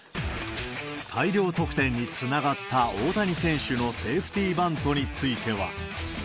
大量得点につながった、大谷選手のセーフティーバントについては。